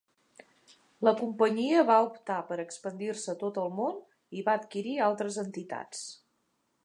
La companyia va optar per expandir-se a tot el món i va adquirir altres entitats.